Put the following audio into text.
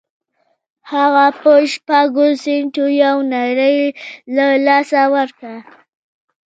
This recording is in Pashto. هغه په شپږو سينټو يوه نړۍ تر لاسه کړه.